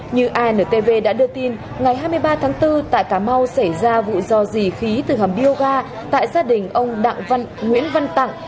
như intv đã đưa tin ngày hai mươi ba tháng bốn tại cà mau xảy ra vụ do dì khí từ hầm bioga tại gia đình ông đặng nguyễn văn tặng